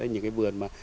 những cái vườn mà